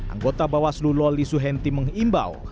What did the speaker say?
anggota bawas lululisuhenti mengimbau